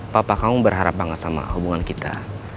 papa kamu berharap banget sama hubungan kita